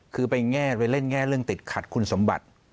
คือเล่นแน่เรื่องติดขัดคุณสมรรดิ